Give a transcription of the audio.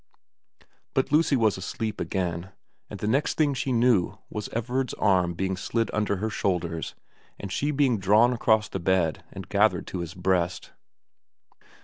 ... But Lucy was asleep again, and the next thing she knew was Everard's arm being slid under her shoulders and she being drawn across the bed and gathered to his breast.